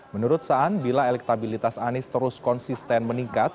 menurut saan bila elektabilitas anies terus konsisten meningkat